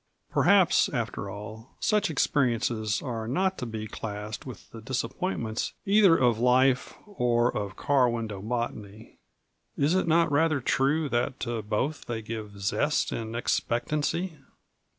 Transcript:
Perhaps, after all, such experiences are not to be classed with the disappointments either of life or of car window botany is it not rather true that to both they give zest and expectancy?